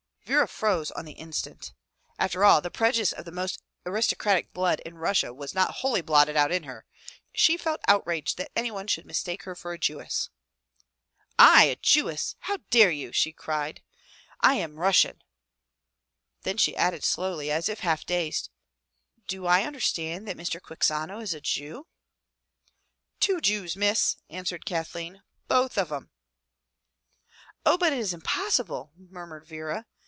Vera froze on the instant. After all, the prejudice of the most aristocratic blood in Russia was not wholly blotted out in her. She felt outraged that anyone should mistake her for a Jewess. "la Jewess! How dare you!" she cried. "I am a Russian!" Then she added slowly, as if half dazed, "Do I understand that Mr. Quixano is a Jew?" 184 FROM THE TOWER WINDOW "Two Jews, Miss," answered Kathleen, "both of 'em/' "Oh, but it is impossible," murmured Vera.